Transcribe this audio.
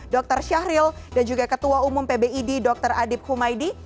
dr syahril dan juga ketua umum pbid dr adib humaydi